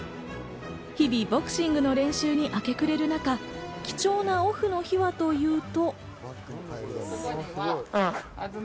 日々ボクシングの練習に明け暮れる中、貴重なオフの日はというと。